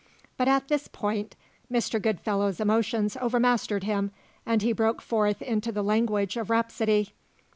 But at this point Mr. Goodfellow's emotions overmastered him, and he broke forth into the language of rhapsody.